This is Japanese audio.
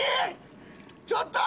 ちょっと！